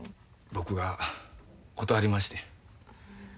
僕が断りましてん。